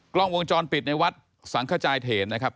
กล้องวงจรปิดในวัดสังขจายเถนนะครับ